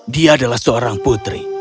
dia adalah seorang putri